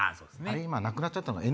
今なくなっちゃったＮＳＣ。